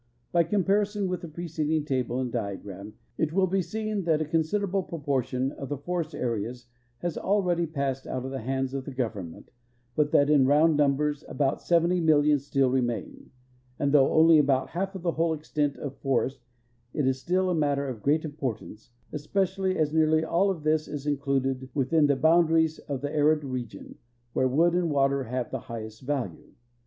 By comparison with the i")receding table and diagram it will be seen that a considerable proportion of the forest areas has ah'eady passed out of the hands of the government, but that in round numbers about seventy million still remain, and though only about half of the whole extent of forest it is still a matter of great importance, especially as nearly all of this is included within *The Public Lands and their Water Supply, p. 49 t. THE NATIONAL FOREST RESERVES ia3 the boundaries of the arid region, where wood and water liave the highest vahie.